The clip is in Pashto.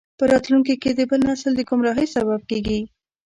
په راتلونکي کې د بل نسل د ګمراهۍ سبب کیږي.